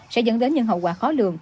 sẽ dẫn đến những hậu quả khó lường